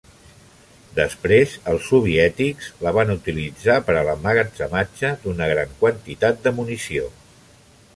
Després, els soviètics la van utilitzar per a l'emmagatzematge d'una gran quantitat de munició.